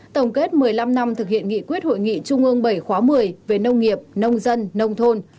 tổng kết một mươi năm năm thực hiện nghị quyết hội nghị trung ương bảy khóa một mươi về nông nghiệp nông dân nông thôn